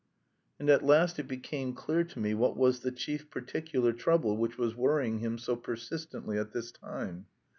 And at last it became clear to me what was the chief particular trouble which was worrying him so persistently at this time.